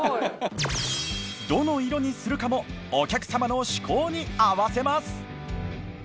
どの色にするかもお客様の嗜好に合わせます。